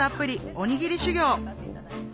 おにぎり修行！